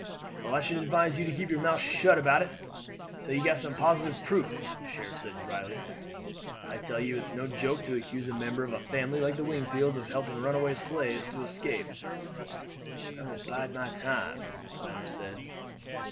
"Well, I should advise you to keep your mouth shut about it till you get some positive proof," the sheriff said dryly. "I tell you it's no joke to accuse a member of a family like the Wingfields of helping runaway slaves to escape." "I will bide my time," the planter said.